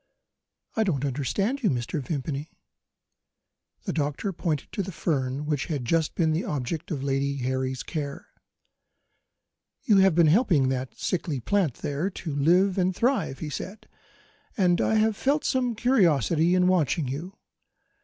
"I don't understand you, Mr. Vimpany." The doctor pointed to the fern which had just been the object of Lady Harry's care. "You have been helping that sickly plant there to live and thrive," he said, "and I have felt some curiosity in watching you.